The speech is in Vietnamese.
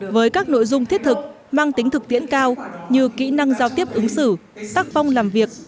với các nội dung thiết thực mang tính thực tiễn cao như kỹ năng giao tiếp ứng xử sắc phong làm việc